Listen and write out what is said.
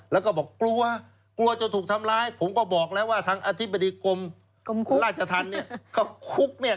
แล้วก็บอกกลัวกลัวจะถูกทำร้ายผมก็บอกแล้วว่าทางอธิบดีกรมราชธรรมเนี่ยก็คุกเนี่ย